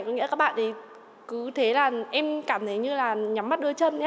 có nghĩa là các bạn cứ thế là em cảm thấy như là nhắm mắt đôi chân nhé